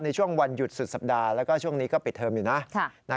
ในช่วงวันหยุดสุดสัปดาห์แล้วก็ช่วงนี้ก็ปิดเทอมอยู่นะ